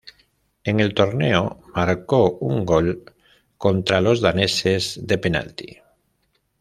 En el torneo marcó un gol contra los daneses de penalti.